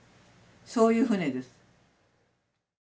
そういう船です。